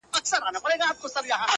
بل څوک خو بې خوښ سوی نه وي.